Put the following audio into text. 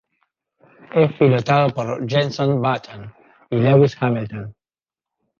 Es pilotado por Jenson Button y Lewis Hamilton.